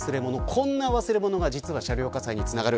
こんな忘れ物が実は車両火災につながる。